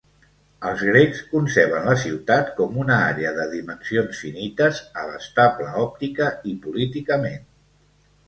Els grecs conceben la ciutat com una àrea de dimensions finites, abastable òptica i políticament.